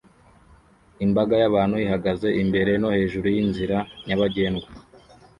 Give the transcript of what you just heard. Imbaga y'abantu ihagaze imbere no hejuru yinzira nyabagendwa